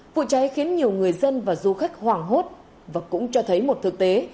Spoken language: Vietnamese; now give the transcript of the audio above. vụ cháy khiến nhiều người dân và du khách hoảng hốt và cũng cho thấy một thực tế